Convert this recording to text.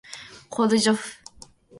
こ ｄ じょ ｆ